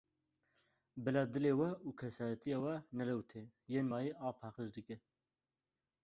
Bila dilê we û kesayetiya we nelewite, yên mayî av paqij dike.